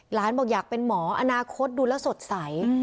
บอกอยากเป็นหมออนาคตดูแล้วสดใส